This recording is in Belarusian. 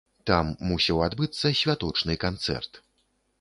Там мусіў адбыцца святочны канцэрт.